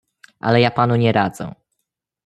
"Ale ja panu nie radzę."